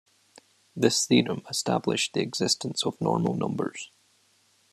This theorem established the existence of normal numbers.